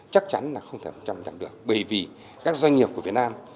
chắc chắn là không thể một trăm linh được bởi vì các doanh nghiệp của việt nam